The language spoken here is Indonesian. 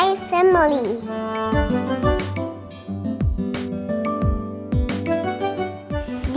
ini keluarga gua